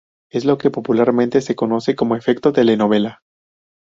Es lo que popularmente se conoce como efecto telenovela.